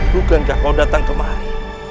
bukankah kau datang kemari